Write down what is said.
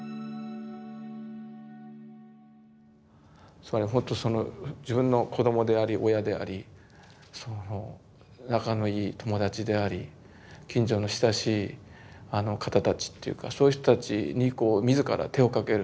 つまりほんとその自分の子どもであり親であり仲のいい友達であり近所の親しい方たちっていうかそういう人たちに自ら手をかける。